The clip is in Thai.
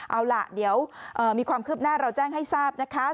เอาล่ะเดี๋ยวมีความคืบหน้าเราแจ้งให้ทราบนะคะ